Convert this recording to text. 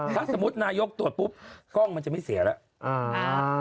ถ้าสมมุตินายกตรวจปุ๊บกล้องมันจะไม่เสียแล้ว